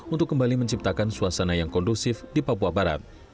untuk kembali menciptakan suasana yang kondusif di papua barat